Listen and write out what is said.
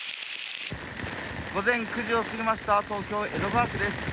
午前９時を過ぎました、東京・江戸川区です。